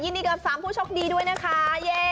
ดีกับ๓ผู้โชคดีด้วยนะคะ